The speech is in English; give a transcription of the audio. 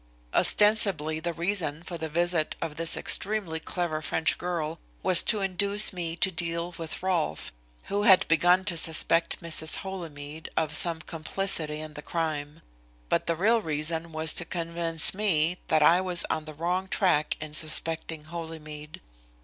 Ostensibly the reason for the visit of this extremely clever French girl was to induce me to deal with Rolfe, who had begun to suspect Mrs. Holymead of some complicity in the crime; but the real reason was to convince me that I was on the wrong track in suspecting Holymead.